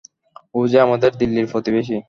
ওই যে আমাদের দিল্লির প্রতিবেশী।